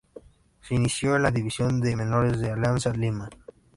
Se inició en la división de menores de Alianza Lima.